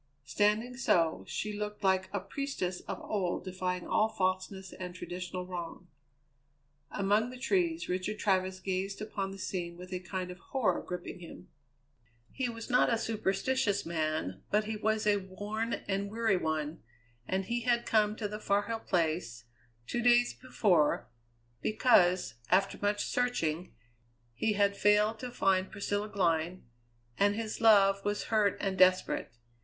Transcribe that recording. Standing so, she looked like a priestess of old defying all falseness and traditional wrong. Among the trees Richard Travers gazed upon the scene with a kind of horror gripping him. He was not a superstitious man, but he was a worn and weary one, and he had come to the Far Hill Place, two days before, because, after much searching, he had failed to find Priscilla Glynn, and his love was hurt and desperate.